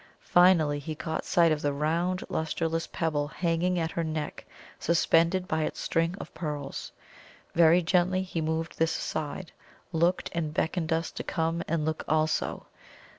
Finally, he caught sight of the round, lustreless pebble hanging at her neck suspended by its strings of pearls. Very gently he moved this aside; looked, and beckoned us to come and look also.